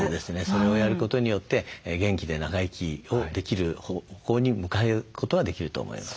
それをやることによって元気で長生きをできる方向に向かうことはできると思います。